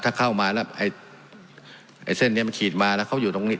ถ้าเข้ามาแล้วไอ้เส้นนี้มันขีดมาแล้วเขาอยู่ตรงนี้